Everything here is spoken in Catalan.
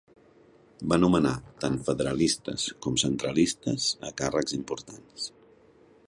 Va nomenar tant federalistes com centralistes a càrrecs importants.